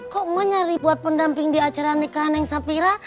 kok menyari buat pendamping di acara nikah neng sapira